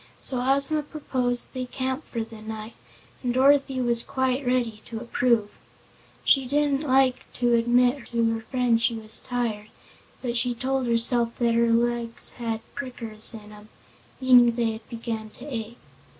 So Ozma proposed they camp for the night and Dorothy was quite ready to approve. She didn't like to admit to her friend she was tired, but she told herself that her legs "had prickers in 'em," meaning they had begun to ache.